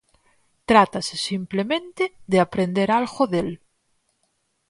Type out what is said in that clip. Trátase, simplemente, de aprender algo del.